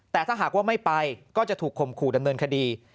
แต่ถ้าหากว่าไม่ไปก็จะถูกข่มขู่ดำเนินคดี